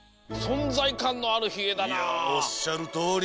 いやおっしゃるとおり！